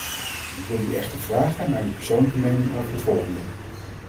Ik wilde u echter vragen naar uw persoonlijke mening over het volgende.